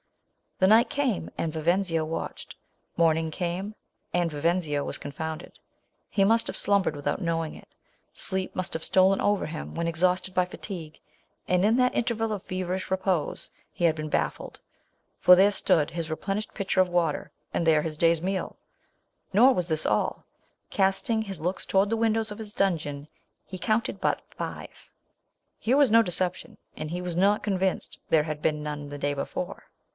The night came, and Vivenzio watched. Morning came, and Viven 7.\o was confounded ! He must have slumbered without knowing it. Sleep must have stolen over him when ex hausted by fatigue, and in that inter val of feverish repose, he had been, baffled ; for there stood his replenish ed pitcher of water, and there his day's meal ! Nor was this all. Cast ing his looks towards the windows of his dungeon, he counted but FIVE ! Here was no deception ; and he was now convinced there had been none the day before.